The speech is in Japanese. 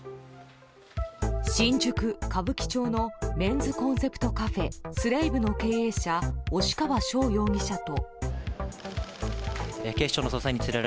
新宿・歌舞伎町のメンズコンセプトカフェＳｌａｖｅの経営者押川翔容疑者と。